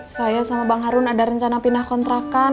saya sama bang harun ada rencana pindah kontrakan